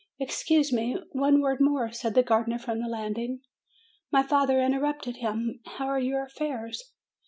"Excuse me; one word more," said the gardener, from the landing. My father interrupted him, "How are your affairs?"